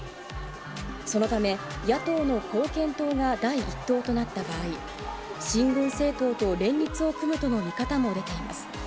そのため、野党の貢献党が第１党となった場合、親軍政党と連立を組むとの見方も出ています。